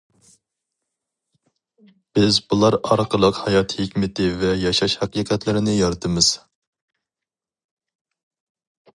بىز بۇلار ئارقىلىق ھايات ھېكمىتى ۋە ياشاش ھەقىقەتلىرىنى يارىتىمىز.